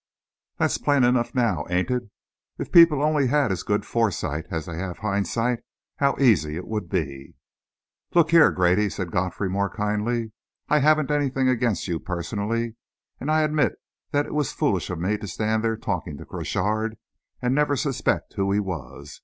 That's plain enough now, ain't it! If people only had as good foresight as they have hindsight, how easy it would be!" "Look here, Grady," said Godfrey, more kindly, "I haven't anything against you personally, and I admit that it was foolish of me to stand there talking to Crochard and never suspect who he was.